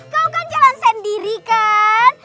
kau kan jalan sendiri kan